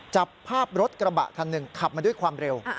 จับภาพรถกระบะคันหนึ่งขับมาด้วยความเร็ว